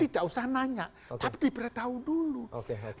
tidak usah nanya tapi diberitahu dulu oke